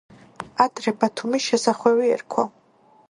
ადრე ბათუმის შესახვევი ერქვა.